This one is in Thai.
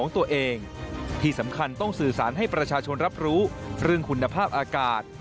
ตัวเองที่สำคัญต้องสื่อสารให้ประชาชนรับรู้เรื่องคุณภาพอากาศ